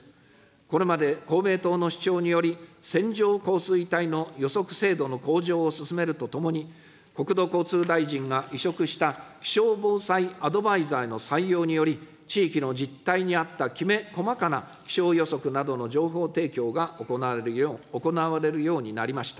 これまで公明党の主張により、線状降水帯の予測精度の向上を進めるとともに、国土交通大臣が委嘱した、気象防災アドバイザーの採用により、地域の実態に合ったきめ細かな気象予測などの情報提供が行われるようになりました。